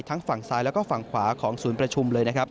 ทั้งฝั่งซ้ายแล้วก็ฝั่งขวาของศูนย์ประชุมเลย